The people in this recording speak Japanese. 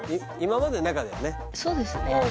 そうですね